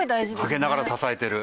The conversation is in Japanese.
陰ながら支えてる。